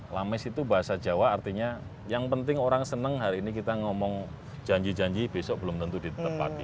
lames itu bahasa jawa artinya yang penting orang senang hari ini kita ngomong janji janji besok belum tentu ditepati